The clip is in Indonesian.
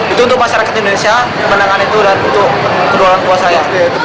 itu untuk masyarakat indonesia menangkan itu dan untuk kedua dua saya